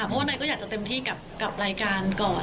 เพราะว่านายก็อยากจะเต็มที่กับรายการก่อน